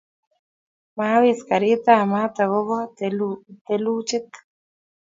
Mawis karitab maat akobo thelujit